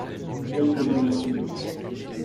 dix-neuf chemin du Frinaud